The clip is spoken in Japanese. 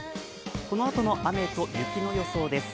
このあとの雨と雪の予想です。